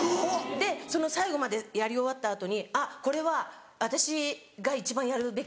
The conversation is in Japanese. で最後までやり終わった後に「あっこれは私が一番やるべきだ」と思って。